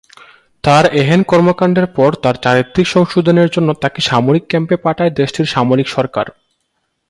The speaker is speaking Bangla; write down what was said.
তার এহেন কর্মকাণ্ডের পর তার 'চারিত্রিক সংশোধন' এর জন্য তাকে সামরিক ক্যাম্পে পাঠায় দেশটির সামরিক সরকার।